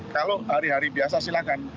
kalau hari hari biasa silahkan